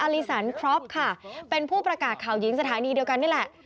ลีสันครอปค่ะเป็นผู้ประกาศข่าวหญิงสถานีเดียวกันนี่แหละ